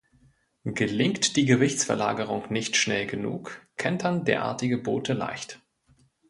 Gelingt die Gewichtsverlagerung nicht schnell genug, kentern derartige Boote leicht.